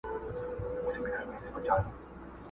o برخي وېشه، مړونه گوره٫